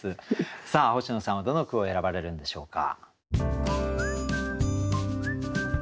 さあ星野さんはどの句を選ばれるんでしょうか。